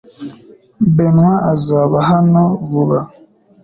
Benwa azaba hano vuba .